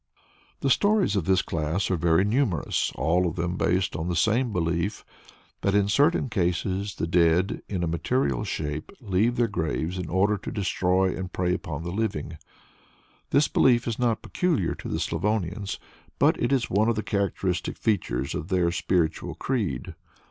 The stories of this class are very numerous, all of them based on the same belief that in certain cases the dead, in a material shape, leave their graves in order to destroy and prey upon the living. This belief is not peculiar to the Slavonians but it is one of the characteristic features of their spiritual creed.